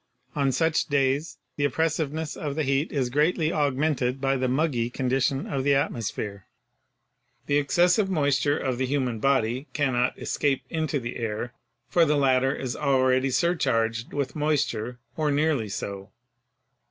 On such days the oppressive ness of the heat is greatly augmented by the "muggy" condition of the atmosphere. The excessive moisture of the human body cannot escape into the air, for the latter is already surcharged with moisture, or nearly so.